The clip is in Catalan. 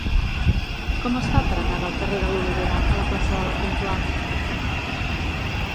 Com es fa per anar del carrer de l'Olivera a la plaça de La Puntual?